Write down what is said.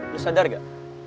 lo sadar gak